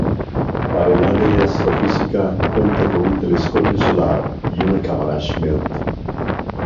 Para el área de astrofísica cuenta con un telescopio solar y una cámara Schmidt.